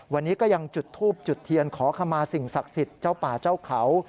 วันนี้ก็ยังจุดทูบจุดเทียนขอขมาสิ่งศักดิ์สิทธิ์เจ้าป่าเจ้าเขา